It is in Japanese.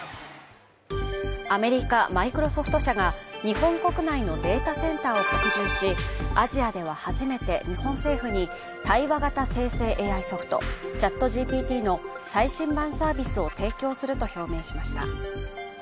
アメリカ・マイクロソフト社が日本国内のデータセンターを拡充し、アジアでは初めて日本政府に対話型生成ＡＩソフトＣｈａｔＧＰＴの最新版サービスを提供すると表明しました。